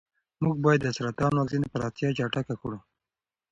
موږ باید د سرطان واکسین پراختیا چټکه کړو.